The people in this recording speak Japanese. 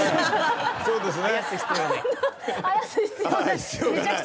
そうですね。